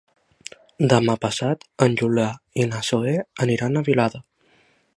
Demà passat en Julià i na Zoè aniran a Vilada.